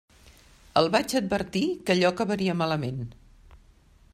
El vaig advertir que allò acabaria malament.